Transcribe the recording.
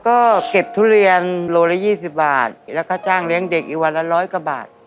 ก็เก็บทุเรียนโลละ๒๐บาทแล้วก็จ้างเลี้ยงเด็กอีกวันละ๑๐๐กว่าบาท